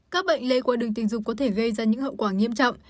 các bệnh lây qua đường tình dục có thể gây ra những hậu quả nghiêm trọng